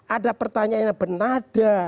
ada pertanyaan yang benada